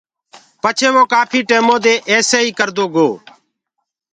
پڇي وو ڪآڦي ٽيمودي ايسي ئي ڪردو گو۔